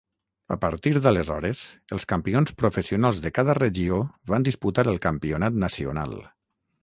A partir d'aleshores, els campions professionals de cada regió van disputar el campionat nacional.